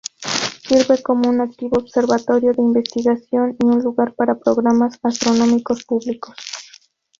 Sirve como un activo observatorio de investigación y un lugar para programas astronómicos públicos.